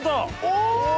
お！